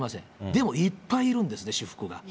でもいっぱいいるんですね、私服が。